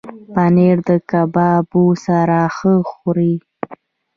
پنېر د کبابو سره ښه خوري.